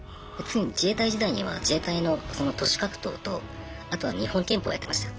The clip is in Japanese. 次に自衛隊時代には自衛隊のその徒手格闘とあとは日本拳法やってました。